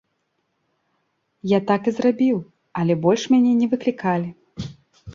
Я так і зрабіў, але больш мяне не выклікалі.